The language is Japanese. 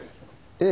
ええ。